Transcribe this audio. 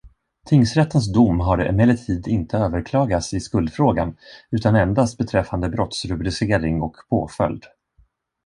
Tingsrättens dom har emellertid inte överklagats i skuldfrågan, utan endast beträffande brottsrubricering och påföljd.